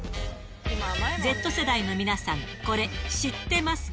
Ｚ世代の皆さん、これ、知ってますか？